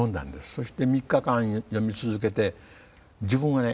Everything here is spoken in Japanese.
そして３日間読み続けて自分はね